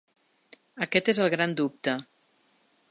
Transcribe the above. Aquest és el gran dubte.